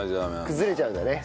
崩れちゃうんだね。